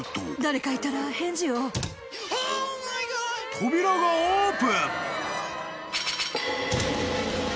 ［扉がオープン］